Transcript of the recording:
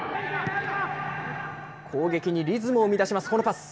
攻撃にリズムを生み出します、このパス。